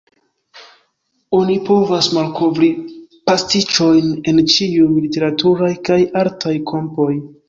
Oni povas malkovri pastiĉojn en ĉiuj literaturaj kaj artaj kampoj.